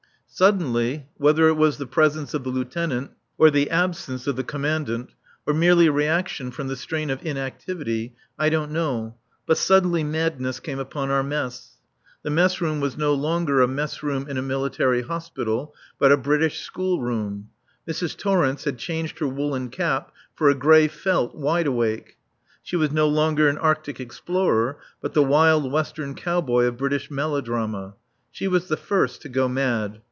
Suddenly whether it was the presence of the Lieutenant or the absence of the Commandant, or merely reaction from the strain of inactivity, I don't know, but suddenly madness came upon our mess. The mess room was no longer a mess room in a Military Hospital, but a British school room. Mrs. Torrence had changed her woollen cap for a grey felt wide awake. She was no longer an Arctic explorer, but the wild western cowboy of British melodrama. She was the first to go mad.